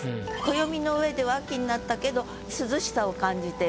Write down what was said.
暦の上では秋になったけど涼しさを感じている。